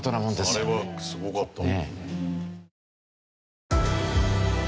あれはすごかった。